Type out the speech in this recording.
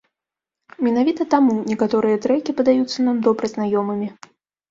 Менавіта таму некаторыя трэкі падаюцца нам добра знаёмымі.